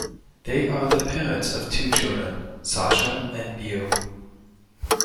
They are the parents of two children, Sasha and Beau.